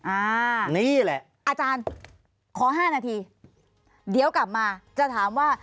อ่านี่แหละอาจารย์ขอ๕นาทีเดี๋ยวกลับมาจะถามว่า